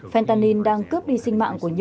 fentanyl đang cướp đi sinh mạng của các người